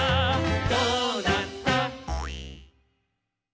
「どうなった！」